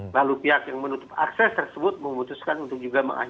lalu pihak yang menutup akses tersebut memutuskan untuk juga